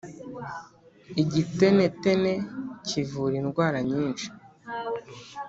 igitenetene kivura indwara nyishi